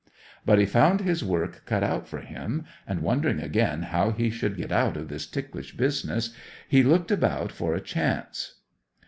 'But he found his work cut out for him, and wondering again how he should get out of this ticklish business, he looked about for a chance.